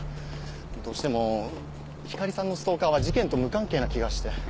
どうしても光莉さんのストーカーは事件と無関係な気がして。